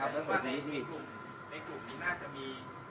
เพราะว่าเด็ดมินจากที่ตุลานี่